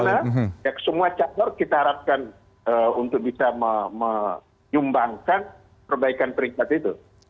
karena semua catur kita harapkan untuk bisa menyumbangkan perbaikan peringkat itu